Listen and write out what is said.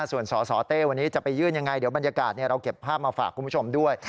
ส่วนสสเต้วันนี้จะไปยื่นยังไงเดี๋ยวบรรยากาศเราเก็บภาพมาฝากคุณผู้ชมด้วย